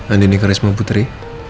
andini karisma putri